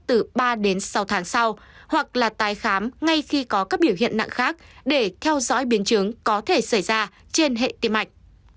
từ ba đến sáu tháng sau hoặc là tái khám ngay khi có các biểu hiện nặng khác để theo dõi biến chứng có thể xảy ra trên hệ tim mạch